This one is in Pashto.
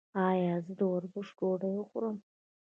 ایا زه د وربشو ډوډۍ وخورم؟